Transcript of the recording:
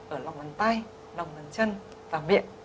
ở lòng bàn tay lòng bàn chân và miệng